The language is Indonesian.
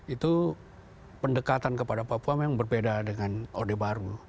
itu pendekatan kepada papua memang berbeda dengan orde baru